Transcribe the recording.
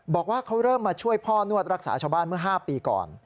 บอกว่าเขาเริ่มมาช่วยพ่อนวดรักษาชาวบ้านเมื่อ๕ปีก่อน